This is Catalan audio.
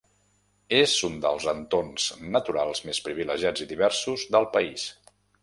És un dels entorns naturals més privilegiats i diversos del país.